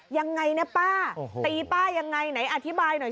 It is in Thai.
ยังไงนะป้าตีป้ายังไงไหนอธิบายหน่อย